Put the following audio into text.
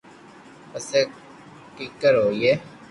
پسي ڪآڪر ھوئي